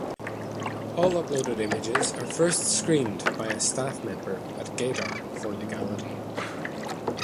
All uploaded images are first screened by a staff member at gaydar for legality.